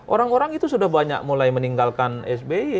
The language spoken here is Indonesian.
orang orang itu sudah banyak mulai meninggalkan sby